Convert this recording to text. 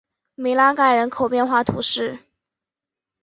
梅拉盖人口变化图示